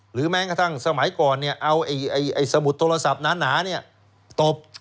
แม้กระทั่งสมัยก่อนเอาสมุดโทรศัพท์หนาตบ